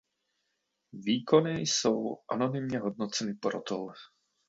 Výkony jsou anonymně hodnoceny porotou.